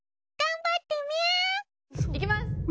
頑張ってみゃ！いきます！